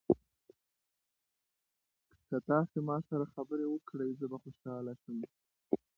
که تاسي ما سره خبرې وکړئ زه به خوشاله شم.